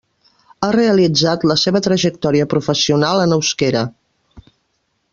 Ha realitzat la seva trajectòria professional en euskera.